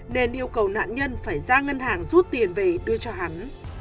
nên yêu cầu nạn nhân phải ra ngân hàng rút tiền về đưa cho hắn